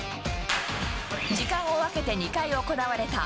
時間を分けて２回行われた。